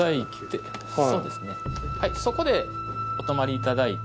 そこでお止まりいただいて。